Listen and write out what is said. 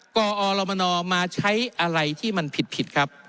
กอรมนมาใช้อะไรที่มันผิดครับ